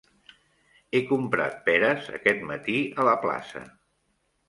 He comprat peres aquest matí a la plaça.